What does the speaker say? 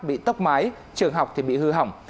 bị tốc mái trường học thì bị hư hỏng